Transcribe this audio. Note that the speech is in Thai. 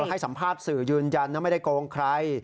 เขาให้สัมภาพสื่อยืนยันแล้วไม่ได้โกงใคร